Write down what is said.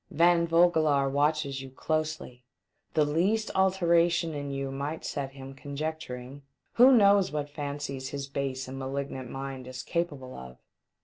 "Van Vogelaar watches you closely ; the least alteration in you might set him conjecturing. Who knows what fancies his base and malignant mind is capable of?